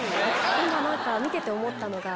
今見てて思ったのが。